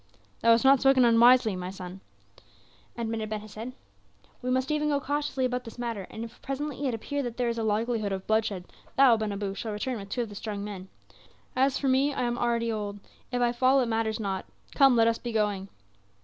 "Thou hast spoken not unwisely, son," admitted Ben Hesed. "We must even go cautiously about this matter; and if presently it appear that there is a likelihood of bloodshed, thou, Ben Abu, shalt return with two of the strong men. As for me I am already old; if I fall, it matters not. Come, let us be going."